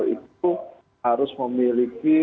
itu harus memiliki